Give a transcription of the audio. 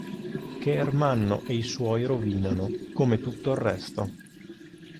Che Ermanno e i suoi rovinano, come tutto il resto.